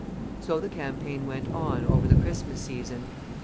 So the campaign went on over the Christmas season.